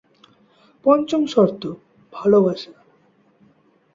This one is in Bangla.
পঞ্চম শর্ত: ভালোবাসা।